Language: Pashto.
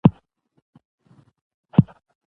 مینه باید لۀ زړۀ څخه وشي.